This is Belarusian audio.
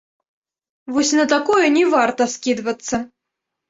Вось на такое не варта скідвацца.